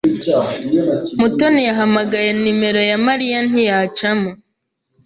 Mutoni yahamagaye nimero ya Mariya ntiyacamo.